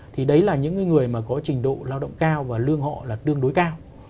thì đấy là những người mà có trình độ lao động cao và lương họ là tương đối cao